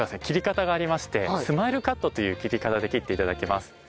切り方がありましてスマイルカットという切り方で切って頂きます。